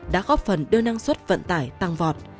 đã góp phần đưa năng suất vận tải tăng vọt